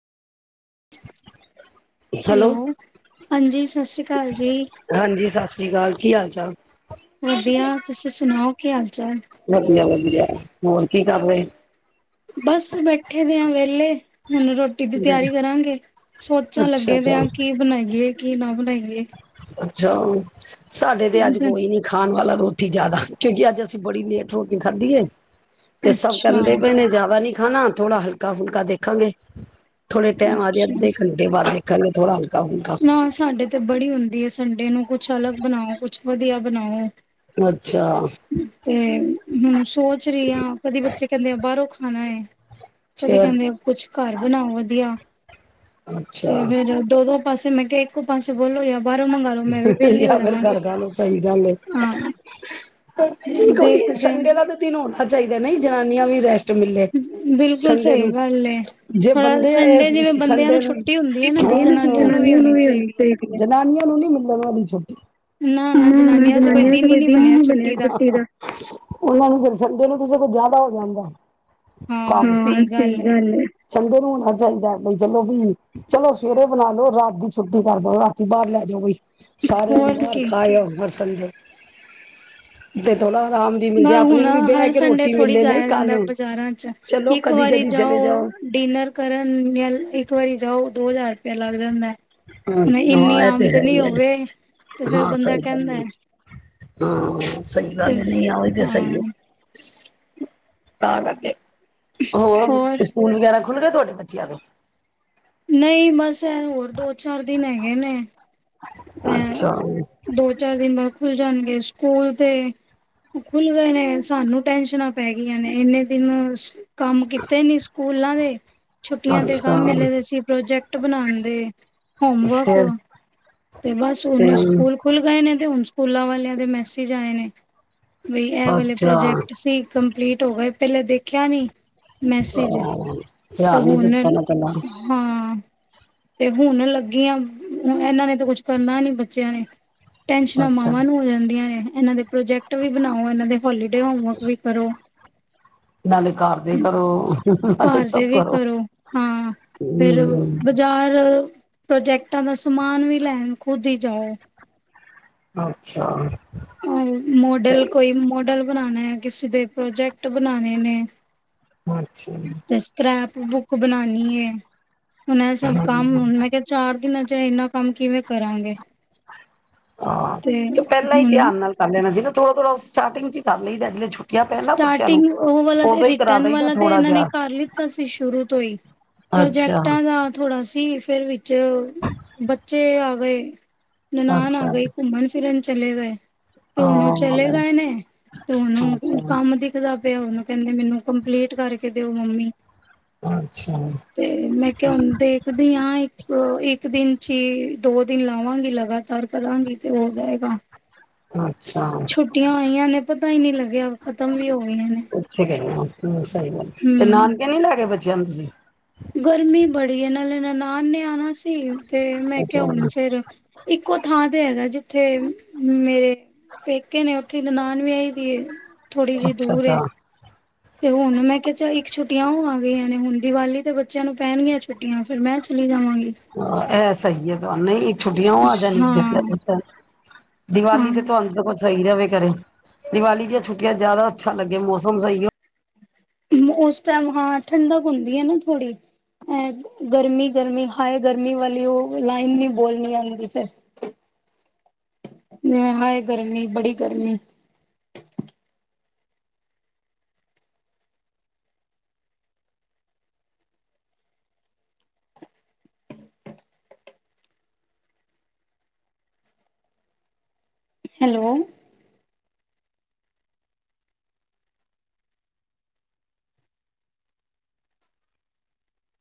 Hello ਹਾਂਜੀ ਸਤਿ ਸ੍ਰੀ ਅਕਾਲ ਜੀ ਹਾਂਜੀ ਸਤਿ ਸ਼੍ਰੀ ਅਕਾਲ ਕੀ ਹਾਲ ਚਾਲ ਵਧੀਆ ਤੁਸੀਂ ਸੁਣਾਓ ਕੀ ਹਾਲ ਚਾਲ ਵਧੀਆ ਹੋਰ ਕੀ ਕਰ ਰਹੇ ਬਸ ਬੈਠੇ ਦੇ ਆ ਵੇਹਲੇ ਹੁਣ ਰੋਟੀ ਦੀ ਦੇ ਤਿਆਰੀ ਕਰਾਂਗੇ ਸੋਚਣ ਅੱਛਾ ਲੱਗੇ ਅੱਛਾ ਪ ਆ ਕੀ ਬਣਾਈਏ ਕੀ ਨਾ ਬਣਾਈਏ [unintelligible] ਅੱਛਾ ਸਾਡੇ ਤੇ ਅੱਜ ਕੋਈ ਨੀ ਖਾਣ ਵਾਲਾ ਰੋਟੀ ਠਜਿਆਦਾ ਕਿਉਂਕਿ ਅੱਜ ਅਸੀਂ ਬੜੀ ਲੇਟ ਰੋਟੀ ਖਾਧੀ ਤੇ ਸਭ ਅੱਛਾ ਕਹਿੰਦੇ ਪਏ ਨੇ ਜਿਆਦਾ ਨੀ ਖਾ ਥੋੜਾ ਹਲਕਾ ਫੁਲਕਾ ਦੇਖਾਂਗੇ ਥੋੜ੍ਹੇ ਟਾਈਮ ਜਾਏ ਅੱਛਾ ਅੱਧੇੰਟੇ ਬਾਦ ਦੇਖਣਗੇ ਥੋੜ੍ਹਾ ਨਾ ਸਾਡੇ ਤੇ ਬੜੀ ਹੁੰਦੀ ਹੈ ਸਨਠੰਡੇ ਨੂੰ ਕੁਛ ਅਲੱਗ ਬਣਾਓ ਕੁਛ ਵਧੀਆ ਬਣਾਓ ਅੱਛਾ ਤੇ ਹੁਣ ਸੋਚ ਰਹੀ ਹ ਕਦੇ ਬੱਚੇ ਕਹਿੰਦੇ ਆ ਬਾਹਰੋਂ ਖਾਣਾ ਹੈ ਕਦੇ ਫੇਰ ਕਹਿੰਦੇ ਆ ਕੁਛ ਘਰ ਬਣਾਓ ਵਧੀਆ ਤੇ ਅੱਛਾ ਫੇਰ ਦੋ ਦੋ ਫਿਰ ਮੈ ਕਿਹਾ ਏਕੋ ਪਾਸੇਬੋਲੋ ਜਾਂ ਬਾਹਰੋਂ ਮੰਗਵਾ ਲੋ ਮੈਂ ਵੀ ਵਿਹਲੀ ਹੋ ਜਾਂ ਫਿਰ ਜਾਵਾਂਗੀ ਘਰ ਖ਼ਾ ਲਓ ਸਹੀ ਗੱਲ ਹਾਂ ਕਈ ਦੇਖਦੇ ਸੰਡੇ ਦਾ ਤਾਂ ਦਿਨ ਹੋਦਾ ਚਾਹੀਦਾ ਨਹੀਂ ਜਨਾਨੀਆਂ ਵੀ ਰੈਸਟ ਮਿਲੇ ਬਿਲਕੁਲ ਸੰਡੇ ਸਹੀ ਨੂੰ ਗੱਲ ਏ। ਜੇ ਥੋੜਾ ਬੰਦੇ ਆ ਸੰਡੇ ਜਿਵੇਂ ਬੰਦਿਆਂ ਸੰਡੇ ਨੂੰ ਛੁੱਟੀ ਹੁੰਦੀ ਹੈ ਨਾ ਤੇ ਜਨਾਨੀਆਂ ਜਨਾਨੀਆਂ ਵੀ ਨੂੰ ਹੀ ਹੋਣੀ ਹੈ। ਚਾਹੀਦੀ ਜਨਾਨੀਆਂ ਨੂੰ ਨੀ ਮਿਲਣ ਵਾਲੀ ਛੁੱਟੀ ਨਾ ਨਾ ਜਨਾ ਨੀਆਂ ਚ ਕੋਈ ਦਿਨ ਹੀ ਨੀ ਬਣਿਆ ਛੁੱਟੀ ਦਾ ਉਹਨਾਂ ਨੂੰ ਫਿਰ ਨੂੰ ਸਮਝ ਲਓ ਕਿਸੇ ਕੁਝ ਜਿਆਦਾ ਹੋ ਜਾਂਦਾ ਹਾਂ ਕੰਮ ਸਹੀ ਗੱਲ ਸਿਗਾ ਹੈ ਨਈ ਚਾਹੀਦਾ ਬਈ ਚਲੋ ਵੀ ਚਲੋ ਸਵੇਰੇ ਬਣਾ ਲੋ ਰਾਤ ਦੀ ਛੁੱਟੀ ਕਰ ਦਓ ਰਾਤੀ ਬਾਹਰ ਲੈ ਜਾਓ ਬਈ ਸਾਰੇ ਹੁਣ ਹੋਰ ਘਰ ਕੀ ਖਾਓ ਹਰ ਸੰਡੇ ਤੇ ਥੋੜਾ ਆਰਾਮ ਵੀ ਮਿਲ ਮੈ ਜਾਏ ਆਪਣੇ ਹੁਣ ਨੂੰ ਵੀ ਬਹਿ ਹਰ ਕੇ ਸੰਡੇ ਰੋਟੀ ਥੋੜੀ ਮਿਲੇ ਨਹੀਂ ਜਾਇਆ ਜਾਂਦਾ ਕਾਨੂੰ। ਬਜ਼ਾਰਾਂ ਚ ਚਲੋ ਇੱਕ ਕਦੀ ਵਾਰੀ ਕਦੀ ਚਲੇ ਜਾਓ ਡਿਨਰ ਕਰਨ ਯ ਇੱਕ ਵਾਰੀ ਜਾਓ ਦੋ ਹਜ਼ਾਰ ਲਗ ਜਾਂਦਾ ਹੈ ਹ ਹਾਂ ਇਹ ਤੇ ਹੈ ਹੀ ਹੈ, ਤੇ ਫੇਰ ਹਾਂ ਬੰਦਾ ਸਹੀ ਗੱਲ ਕਹਿੰਦਾ ਏ, ਹੈ ਹਾਂ ਸਹੀ ਤੇ ਗੱਲ ਨੀ। ਹਾਂ ਓਹੀ ਤੇ ਸਹੀ ਏ। ਹਾਂ ਤਾਂ ਕਰਕੇ ਹੋਰ ਸਕੂਲ ਵਗੈਰਾ ਖੁਲ੍ਹਗੇ ਤੁਹਾਡੇ ਬੱਚਿਆਂ ਦੇ ਨਹੀਂ ਬਸ ਐ ਹੋਰ ਦੋ-ਚਾਰ ਦਿਨ ਹੈਗੇ ਨੇ। ਅੱਛਾ, ਇਹ ਦੋ-ਚਾਰ ਦਿਨ ਬਾਅਦ ਖੁੱਲ੍ ਜਾਣਗੇ ਸਕੂਲ ਤੇ ਖੁੱਲ ਗਏ ਨੇ ਸਾਨੂੰ ਟੈਨਸ਼ਨਾਂ ਪੈ ਗਈਆਂ ਨੇ ਇੰਨੇ ਦਿਨ ਕੰਮ ਕੀਤੇ ਨੀ ਸ ਸਕੂਲਾਂ ਦੇ ਛੁੱਟੀਆਂ ਤੇ ਅੱਛਾ ਕੰਮ ਮਿਲੇ ਦੇ ਸੀ ਪ੍ਰੋਜੈਕਟ ਪ੍ਰਜੈਕਟ ਬਣਾਂਦੇ ਹੋਮਵਰਕ ਫੇਰ ਤੇ ਬਸ ਤੇ ਹੁਣ ਸਕੂਲ ਖੁੱਲ ਗਏ ਨੇ। ਹੁਣ ਸਕੂਲਾਂ ਵਾਲਿਆਂ ਦੇ ਮੈਸੇਜ ਆਏ ਨੇ। ਬਈ ਇਹ ਵਾਲੇ ਅੱਛਾ, ਪ੍ਰੋਜੈਕਟ ਸੀ ਕੰਪਲੀਟ ਹੋ ਗਏ ਪਹਿਲਾਂ ਦੇਖਿਆ ਨੀ ਮੈਸੇਜ ਹਾਂ ਤੇ ਧਿਆਨ ਨੀ ਹੁਣ ਦਿੱਤਾ ਨਾ ਪਹਿਲਾਂ, ਹਾਂ। ਤੇ ਹੁਣ ਲੱਗੀਆਂ ਇਹਨਾਂ ਨੇ ਕੁਛ ਕਰਨਾ ਨੀ ਬੱਚਿਆਂ ਨੇ ਟੈਨਸ਼ਨਾਂ ਅੱਛਾ। ਮਾਵਾਂ ਨੂੰ ਹੋ ਜਾਂਦੀਆਂ ਨੇ ਇਹਨਾਂ ਦੇ ਪ੍ਰੋਜੈਕਟ ਵੀ ਬਣਾਓ, ਇਹਨਾਂ ਦੇ ਹੋਲੀਡੇ ਹੋਮਵਰਕ ਵੀ ਕਰੋ। ਨਾਲੇ ਘਰ ਦੇ ਕਰੋ, ਨਾਲੇ ਘਰ ਦੇ ਸਭ ਵੀ ਕਰੋ ਹਾਂ ਫਿਰ ਹੂੰ। ਬਾਜ਼ਾਰ ਪ੍ਰੋਜੈਕਟਾਂ ਦਾ ਸਮਾਨ ਵੀ ਲੈਣ ਖੁਦ ਹੀ ਜਾਓ। ਅੱਛਾ, ਮੋਡਲ ਕੋਈ ਮੋਡਲ ਬਣਾਣਾ ਹੈ। ਕਿਸੇ ਦੇ ਪ੍ਰੋਜੈਕਟ ਬਣਾਣੇ ਨੇ ਅੱਛਾ, ਜਸਕਰੈਪ ਬੁੱਕ ਬਣਾਣੀ ਏ ਉਹਨਾਂ ਦੇ ਸਭ ਕੰਮ ਹਾਂ। ਮੈਂ ਕਿਹਾ ਚਾਰ ਇੰਨਾ ਚਿਰ ਇੰਨਾ ਕੰਮ ਕਿਵੇਂ ਕਰਾਂਗੇ। ਹਾਂ ਤੇ ਪਹਿਲਾਂ ਹੀ ਧਿਆਨ ਨਾਲ ਕਰ ਲੈਣਾ ਸੀ, ਨਾ ਥੋੜਾ- ਥੋੜਾ ਸਟਾਟਿੰਗ ਚ ਹੀ ਕਰ ਲਈਦੈ ਜਿਹੜਾ ਛੁ ਸਟਾਟਿੰਗ ਉਹ ਵਾਲਾ ਤੇ ਕਰਾ ਰਿਟਰਨ ਦਈਦਾ ਵਾਲਾ ਤੇ ਥੋੜਾ ਇਹਨਾਂ ਨੇ ਜਿਹਾ ਕਰ ਲਿੱਤਾ ਸੀ ਸ਼ੁਰੂ ਤੋਂ ਹੀ, ਅੱਛਾ ਪ੍ਰੋਜੈਕਟਾਂ ਦਾ ਥੋੜਾ ਸੀ। ਫਿਰ ਵੀ ਚ ਬੱਚੇ ਆ ਗਏ ਨਨਾਣ ਆ ਅੱਛਾ ਗਏ ਘੁੰਮਣ ਫਿਰਨ ਚਲੇ ਗਏ ਤੇ ਹੁਣ ਚਲੇ ਹਾਂ ਗਏ ਨੇ ਤੇ ਉਹਨੂੰ ਹੁਣ ਅੱਛਾ ਕੰਮ ਦਿੱਖਦਾ ਪਿਆ ਹੁਣ ਕਹਿੰਦੀ ਮੈਨੂੰ ਕੰਪਲੀਟ ਕਰਕੇ ਦਿਓ ਮੰਮੀ ਅੱਛਾ ਤੇ ਮੈਂ ਕਿਹਾ ਦੇਖਦੀ ਹਾਂ ਇੱਕ ਇੱਕ ਦਿਨ ਜੀ ਦੋ ਦਿਨ ਲਾਵਾਂਗੇ ਲਗਾਤਾਰ ਕਰਾਂਗੀ ਤੇ ਹੋ ਜਾਏਗਾ ਹਾਂ ਛੁੱਟੀਆਂ ਆਈਆਂ ਨੇ ਪਤਾ ਹੀ ਨਹੀਂ ਲੱਗਦਾ ਉੱਥੇ ਕਹਿੰਦੇ ਤੇ ਹਮ ਨਾਨਕੇ ਨੀ ਲੈਗੇ ਬੱਚੇ ਆਂ ਨੂੰ ਤੁਸੀਂ ਗਰਮੀ ਬੜੀ ਨਾਲੇ ਨਾਨ ਨਿਆਣਾ ਸੀ ਤੇ ਮੈਂ ਕਿਹਾ ਅੱਛਾ ਹੁਣ ਫੇਰ ਇੱਕੋ ਥਾਂ ਤੇ ਹੈਗਾ ਜ ਉਥੇ ਮੇਰੇ ਪੇਕੇ ਨੇ ਉੱਥੇ ਨਨਾਣ ਵਿਆਹੀ ਥੋੜੀ ਜਿਹੀ ਅੱਛਾ ਦੂਰ ਅੱਛਾ ਤੇ ਹੁਣ ਮੈਂ ਕਿਹਾ ਚ ਇੱਕ ਛੁੱਟੀਆਂ ਉਹ ਆ ਗਈਆਂ ਨੇ ਹੁਣ ਦੀਵਾਲੀ ਤੇ ਬੱਚਿਆਂ ਨੂੰ ਪੈਣਗੀਆਂ ਛੁੱਟੀਆਂ ਫਿਰ ਮੈਂ ਚਲੀ ਜਾਵਾਂਗੀ ਹੂੰ ਇਹ ਸਹੀ ਹੈ ਤੁਹਾਨੂੰ ਨਹੀਂ ਛੁੱਟੀਆਂ ਹੋ ਆ ਜਾਂਣੀ ਹਾਂ [unintelligible] ਦੀਵਾਲੀ ਹਾਂ ਤੇ [unintelligible] ਸਹੀ ਜਾਵੇ ਘਰੇ ਦੀਵਾਲੀ ਦੀਆਂ ਛੁੱਟੀਆਂ ਜਿਆਦਾ ਅੱਛਾ ਲੱਗੇ ਮੌਸਮ ਸਹੀ ਹੋ ਉਸ ਟਾਈਮ ਹਾਂ ਠੰਡਕ ਹੁੰਦੀ ਹੈ ਨਾ ਥੋੜੀ ਅ ਗਰਮੀ ਗਰਮੀ ਹਾਏ ਗਰਮੀ ਵਾਲੀ ਉਹ ਲਾਈਨ ਨੀ ਬੋਲਣੀ ਜਾਂਦੀ ਫਿਰ ਹਾਏ ਗਰਮੀ ਬੜੀ ਗਰਮੀ ਹੈਲੋ